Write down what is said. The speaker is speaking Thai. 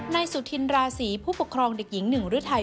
นายสุธินราศีผู้ปกครองเด็กยิงหนึ่งรื้อไทร